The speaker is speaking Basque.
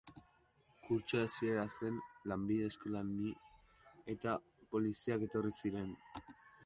Kurtso hasiera zen, lanbide eskolan ni, eta poliziak etorri ziren.